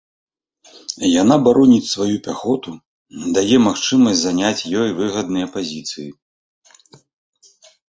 Яна бароніць сваю пяхоту, дае магчымасць заняць ёй выгодныя пазіцыі.